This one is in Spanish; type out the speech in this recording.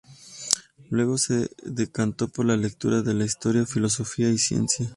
Luego se decantó por lecturas de historia, filosofía y ciencia.